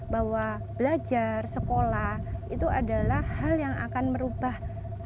bahwa belajar sekolah itu adalah hal yang akan merubah hidup dan nasional